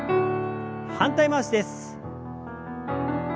反対回しです。